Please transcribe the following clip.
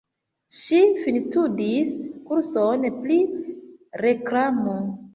Ŝi finstudis kurson pri reklamo.